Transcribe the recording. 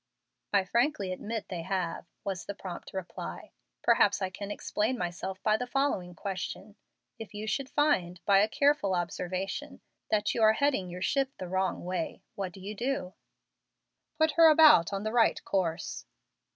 "I frankly admit they have," was the prompt reply. "Perhaps I can explain myself by the following question: If you find, by a careful observation, that you are heading your ship the wrong way, what do you do?" "Put her about on the right course."